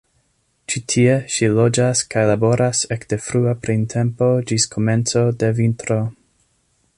Ĉi tie ŝi loĝas kaj laboras ekde frua printempo ĝis komenco de vintro.